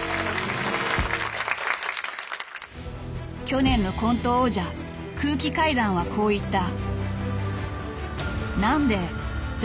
［去年のコント王者空気階段はこう言った］